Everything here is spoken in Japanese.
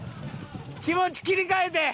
気持ち切り替えて！